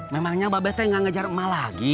memangnya mbak bethe nggak ngejar ma lagi